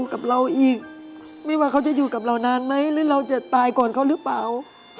กับเราอีกไม่ว่าเขาจะอยู่กับเรานานไหมหรือเราจะตายก่อนเขาหรือเปล่า